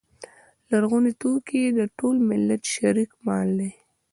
لرغوني توکي د ټول ملت شریک مال دی.